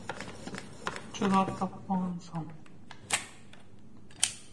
Munça zady tapamsoň...